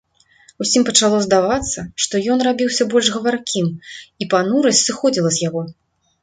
Усім пачало здавацца, што ён рабіўся больш гаваркім, і панурасць сыходзіла з яго.